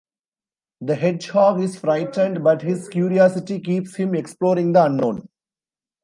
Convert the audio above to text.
The hedgehog is frightened, but his curiosity keeps him exploring the unknown.